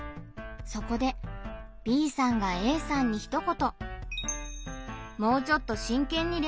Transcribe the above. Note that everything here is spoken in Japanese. そこでＢさんがＡさんにひと言。